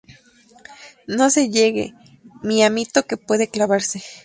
no se llegue, mi amito, que puede clavarse...